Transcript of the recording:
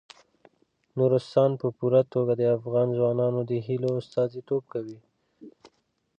نورستان په پوره توګه د افغان ځوانانو د هیلو استازیتوب کوي.